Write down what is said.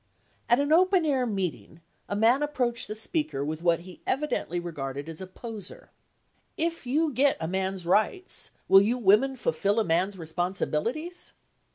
At an open air meeting a man approached the speaker with what he evidently regarded as a poser: "If you get a man's rights, will you women fulfil a man's responsibilities?"